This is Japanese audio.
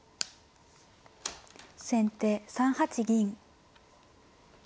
先手３八銀。